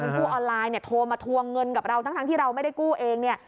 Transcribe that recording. กู้ออนไลน์เนี่ยโทรมาทวงเงินกับเราทั้งที่เราไม่ได้กู้เองเนี่ย